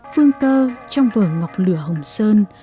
phương cơ trong vở ngọc lửa hồng sơn